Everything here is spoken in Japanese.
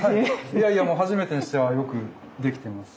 いやいやもう初めてにしてはよくできてます。